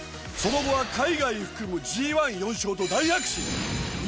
その後は海外含むＧⅠ４勝と大躍進。